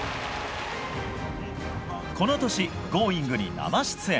この年「Ｇｏｉｎｇ！」に生出演。